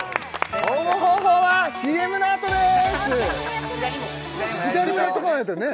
応募方法はＣＭのあとです！